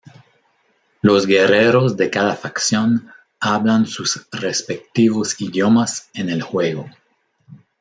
Los guerreros de cada facción hablan sus respectivos idiomas en el juego.